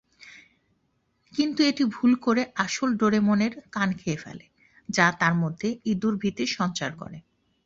কিন্তু এটি ভুল করে আসল ডোরেমনের কান খেয়ে ফেলে, যা তার মধ্যে ইঁদুর-ভীতির সঞ্চার করে।